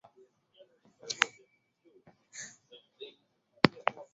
The cinema has undergone several renewals over the years.